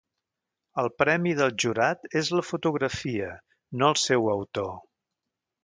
El premi del jurat és la fotografia, no el seu autor.